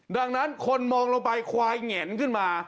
ดังนั้นคนมองลงไปควายแงนขึ้นมา